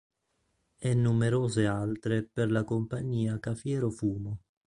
E numerose altre per la compagnia Cafiero-Fumo